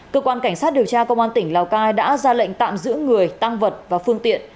cơ quan cảnh sát điều tra công an tỉnh lào cai đã ra lệnh tạm giữ người tăng vật và phương tiện